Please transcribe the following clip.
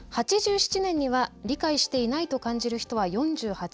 ８７年には「理解していない」と感じる人は４８％。